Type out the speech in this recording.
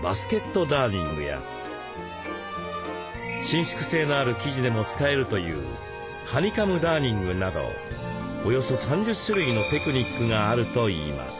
伸縮性のある生地でも使えるというハニカムダーニングなどおよそ３０種類のテクニックがあるといいます。